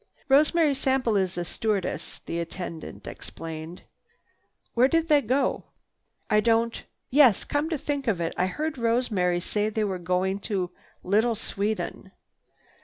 "Rosemary Sample is a stewardess," the attendant explained. "Wh—where did they go?" "I don't—yes, come to think of it, I heard Rosemary say they was goin' to Little Sweden."